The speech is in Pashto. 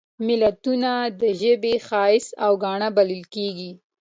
متلونه د ژبې ښایست او ګاڼه بلل کیږي